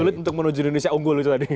sulit untuk menuju indonesia unggul itu tadi